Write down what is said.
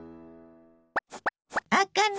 あかね